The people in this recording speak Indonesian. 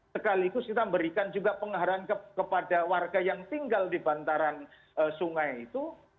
sekaligus kita berikan juga penghargaan kepada warga yang tinggal di bantaran sungai itu